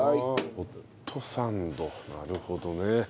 ホットサンドなるほどね。